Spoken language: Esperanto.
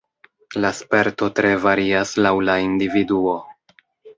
La sperto tre varias laŭ la individuo.